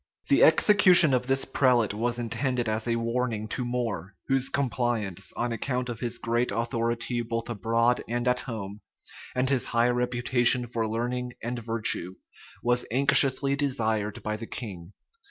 The execution of this prelate was intended as a warning to More, whose compliance, on account of his great authority both abroad and at home, and his high reputation for learning and virtue, was anxiously desired by the king.